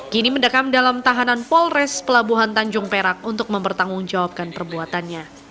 kini mendekam dalam tahanan polres pelabuhan tanjung perak untuk mempertanggungjawabkan perbuatannya